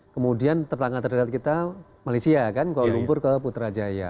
kemudian tetangga terdekat kita malaysia kan kuala lumpur ke putrajaya